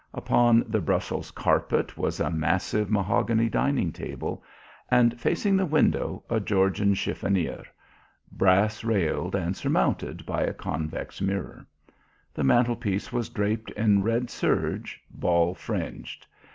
Upon the Brussels carpet was a massive mahogany dining table, and facing the window a Georgian chiffonier, brass railed and surmounted by a convex mirror. The mantlepiece was draped in red serge, ball fringed.